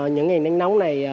những ngày nắng nóng này